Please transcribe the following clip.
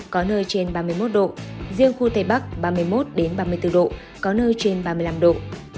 có nơi trên ba mươi một độ riêng khu tây bắc ba mươi một ba mươi bốn độ có nơi trên ba mươi năm độ